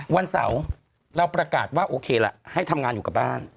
วันเสาร์เราประกาศว่าโอเคละให้ทำงานอยู่กับบ้าน